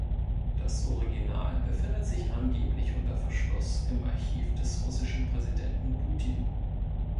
Das Original befindet sich angeblich unter Verschluss im Archiv des russischen Präsidenten Putin.